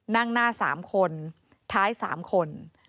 นั่งหน้า๓คนท้าย๓คน